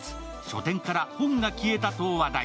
書店から本が消えたと話題。